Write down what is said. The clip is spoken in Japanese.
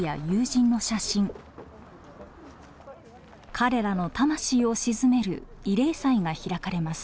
彼らの魂を鎮める慰霊祭が開かれます。